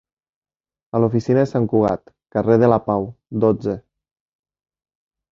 A l'oficina de Sant Cugat, carrer de la Pau, dotze.